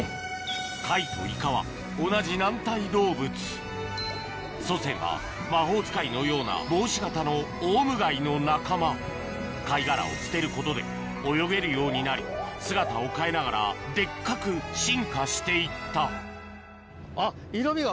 貝とイカは同じ祖先は魔法使いのような帽子形のオウムガイの仲間貝殻を捨てることで泳げるようになり姿を変えながらデッカく進化して行ったあっ。